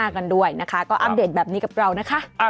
ก็อัปเดตแบบนี้กับเรานะคะ